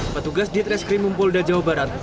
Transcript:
petugas di treskrim umpolda jawa barat